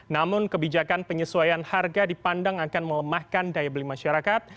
namun kebijakan penyesuaian harga dipandang akan melemahkan daya beli masyarakat